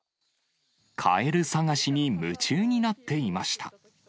カエル探しに夢中になっていました。